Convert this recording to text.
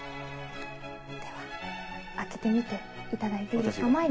では開けて見ていただいていいですか？